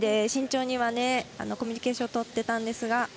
慎重にはコミュニケーション取っていたんですが。